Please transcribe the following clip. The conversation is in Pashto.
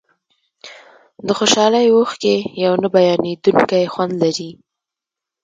د خوشحالۍ اوښکې یو نه بیانېدونکی خوند لري.